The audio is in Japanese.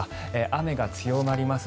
雨が強まります。